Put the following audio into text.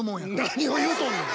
何を言うとんねん。